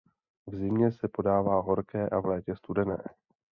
V zimě se podává horké a v létě studené.